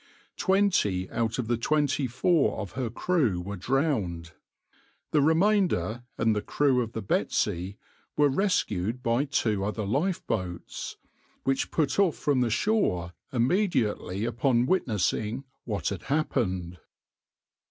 Twenty out of the twenty four of her crew were drowned. The remainder and the crew of the {\itshape{Betsy}} were rescued by two other lifeboats, which put off from the shore immediately upon witnessing what had happened.